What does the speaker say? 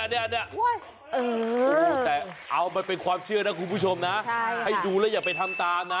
แต่เอามันเป็นความเชื่อนะคุณผู้ชมนะให้ดูแล้วอย่าไปทำตามนะ